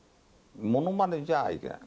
ものまねじゃいけない。